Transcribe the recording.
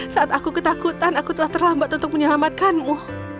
saat aku ketakutan aku telah terlambat untuk menyelamatkanmu